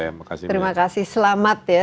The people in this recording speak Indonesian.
legacy saya terima kasih selamat ya